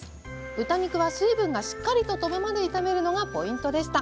豚肉は水分がしっかりととぶまで炒めるのがポイントでした。